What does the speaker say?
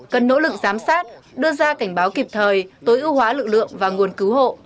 cần nỗ lực giám sát đưa ra cảnh báo kịp thời tối ưu hóa lực lượng và nguồn cứu hộ